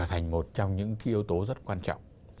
thành một trong những yếu tố rất quan trọng